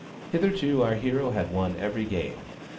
Hitherto our hero had won every game.